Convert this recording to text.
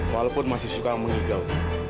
walaupun masih suka mengigau